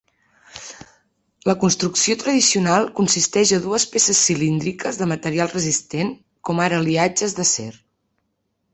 La construcció tradicional consisteix a dues peces cilíndriques de material resistent, com ara aliatges d'acer.